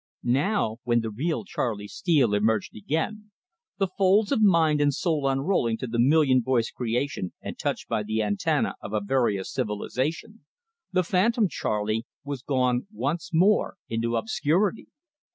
Now, when the real Charley Steele emerged again, the folds of mind and soul unrolling to the million voiced creation and touched by the antenna of a various civilisation, the phantom Charley was gone once more into obscurity.